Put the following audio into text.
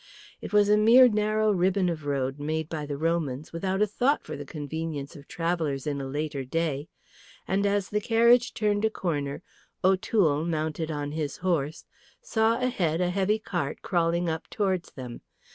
It was a mere narrow ribbon of a road made by the Romans, without a thought for the convenience of travellers in a later day; and as the carriage turned a corner, O'Toole, mounted on his horse, saw ahead a heavy cart crawling up towards them.